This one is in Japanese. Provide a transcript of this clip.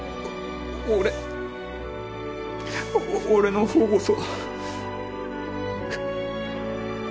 俺お俺のほうこそ。